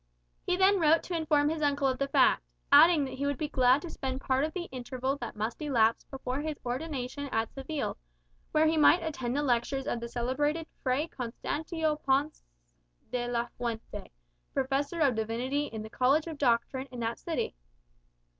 He then wrote to inform his uncle of the fact; adding that he would be glad to spend part of the interval that must elapse before his ordination at Seville, where he might attend the lectures of the celebrated Fray Constantino Ponce de la Fuente, Professor of Divinity in the College of Doctrine in that city.